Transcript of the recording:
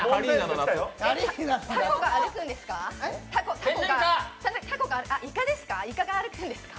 たこが歩くんですか？